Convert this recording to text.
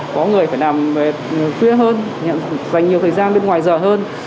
có người phải làm tuya hơn dành nhiều thời gian bên ngoài giờ hơn